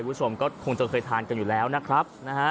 คุณผู้ชมก็คงจะเคยทานกันอยู่แล้วนะครับนะฮะ